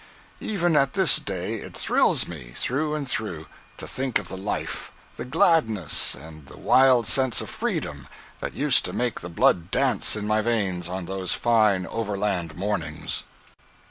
Even at this day it thrills me through and through to think of the life, the gladness and the wild sense of freedom that used to make the blood dance in my veins on those fine overland mornings!